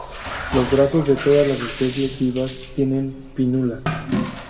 Los brazos de todas las especies vivas tienen pínnulas.